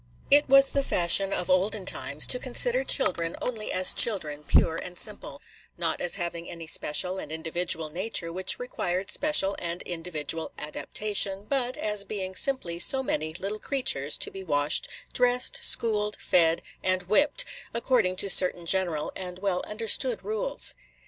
IT was the fashion of olden times to consider children only as children pure and simple; not as having any special and individual nature which required special and individual adaptation, but as being simply so many little creatures to be washed, dressed, schooled, fed, and whipped, according to certain general and well understood rules.